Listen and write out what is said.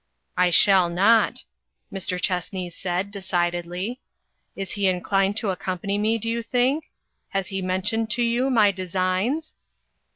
" I shall not," Mr. Chessney said, de cidedly. "Is he inclined to accompany me, do you think ? Has he mentioned to you my designs?"